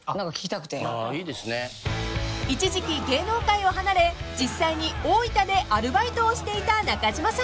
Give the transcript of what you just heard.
［一時期芸能界を離れ実際に大分でアルバイトをしていた中島さん］